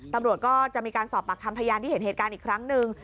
ตำรวจก็จะมีการสอบปากคำพยานที่เห็นเหตุการณ์อีกครั้งหนึ่ง